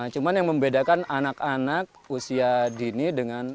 cuma yang membedakan anak anak usia dini dengan